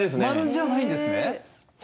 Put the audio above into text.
マルじゃないんですね。